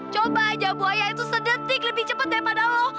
coba saja bu aya itu sedetik lebih cepat daripada kamu